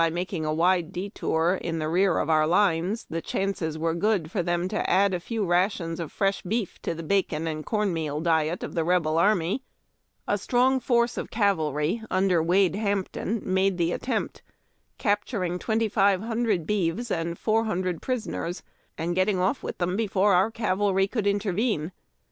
321 making a wide detour in the tear of our lines the chances were good for them to add a few rations of fresh beef to the bacon and corn meal diet of the Rebel army, a strong force of cavalry under Wade Hampton made the attempt, capturing twenty five hundred beeves and four hundred prisoners, and getting off with them before our cavalry could intervene.